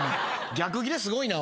逆ギレすごいなおい。